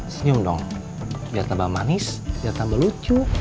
senyum dong biar tambah manis biar tambah lucu